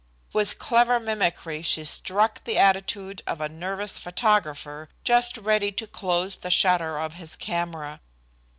With clever mimicry she struck the attitude of a nervous photographer just ready to close the shutter of his camera.